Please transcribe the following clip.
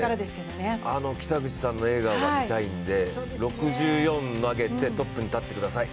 北口さんの笑顔が見たいんで６４投げて、トップに立ってください